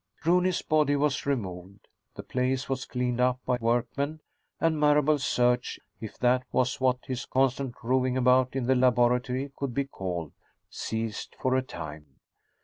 Rooney's body was removed. The place was cleaned up by workmen, and Marable's search if that was what his constant roving about the laboratory could be called ceased for a time.